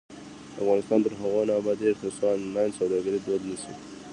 افغانستان تر هغو نه ابادیږي، ترڅو آنلاین سوداګري دود نشي.